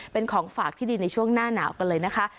เป็นของฝากที่ดีในช่วงหน้าหนาวกันเลยนะคะ